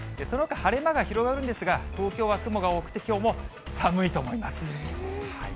そのほか、晴れ間が広がるんですが、東京は雲が多くてきょうも寒いと思いま